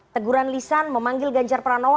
teguran lisan memanggil ganjar pranowo